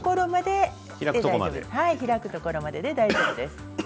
開くところまでで大丈夫です。